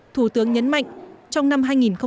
thủ tướng nhấn mạnh trong năm hai nghìn một mươi tám